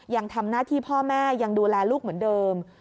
ยังทำหน้าที่พ่อแม่ยังดูแลลูกเหมือนเดิม